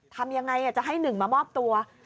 ทำยังไงจะให้หนึ่งมามอบตัว